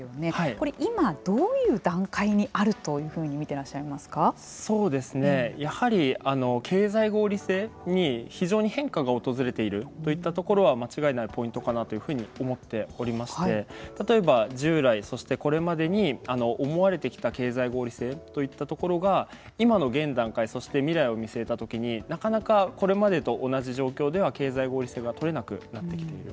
これ、今どういう段階にあるというふうにやはり経済合理性に非常に変化が訪れているといったところは間違いないポイントかなというふうに思っておりまして例えば、従来、そしてこれまでに思われてきた経済合理性といったところが今の現段階そして未来を見据えたときになかなかこれまでと同じ状況では経済合理性が取れなくなってきている。